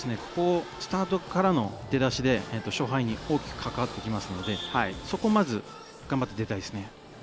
スタートからの出だしで勝敗に大きく関わってきますのでそこを、まず頑張って出たいですね。